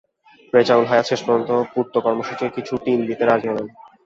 রেজাউল হায়াত শেষ পর্যন্ত পূর্ত কর্মসূচির কিছু টিন দিতে রাজি হলেন।